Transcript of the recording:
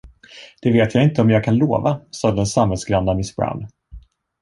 Det vet jag inte om jag kan lova, sade den samvetsgranna miss Brown.